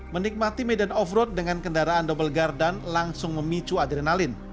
menikmati medan off road dengan kendaraan double guardan langsung memicu adrenalin